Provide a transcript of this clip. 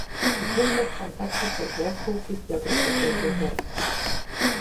Выжьыр, пщӀэнтӀэпсыр къежэхыу, и бзэгур къилэлу вэрт.